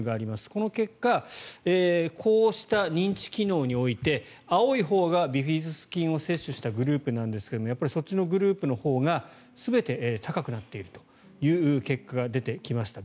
この結果こうした認知機能において青いほうがビフィズス菌を摂取したグループなんですがやっぱりそっちのグループのほうが全て高くなっているという結果が出てきました。